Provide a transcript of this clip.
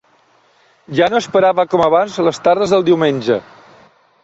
Ja no esperava com abans les tardes del diumenge